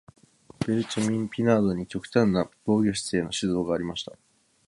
ベウチェミン・ピナードに極端な防御姿勢の指導がありました。